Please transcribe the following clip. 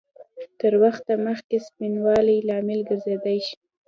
تر وخته مخکې سپینوالي لامل ګرځېدای شي؟